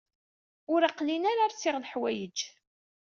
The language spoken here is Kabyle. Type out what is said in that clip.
Ur aql-in ara rsiɣ leḥwayeǧ.